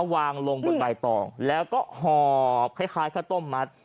วางลงบนใบตองแล้วก็หอบคล้ายข้าวต้มมัด